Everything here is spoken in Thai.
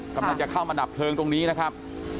กำลังจะเข้ามาดับเพลิงตรงนี้นะครับ